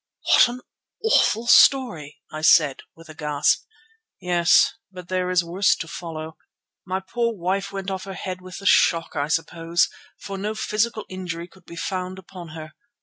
"What an awful story!" I said with a gasp. "Yes, but there is worse to follow. My poor wife went off her head, with the shock I suppose, for no physical injury could be found upon her.